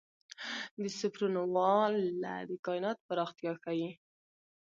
د سوپرنووا Ia د کائنات پراختیا ښيي.